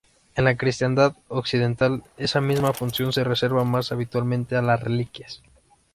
En la cristiandad occidental esa misma función se reservaba más habitualmente a las reliquias.